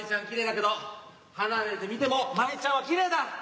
きれいだけど離れて見ても真理ちゃんはきれいだ！